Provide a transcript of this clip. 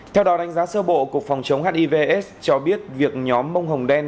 theo đó đánh giá sơ bộ cục phòng chống hiv aids cho biết việc nhóm bông hồng đen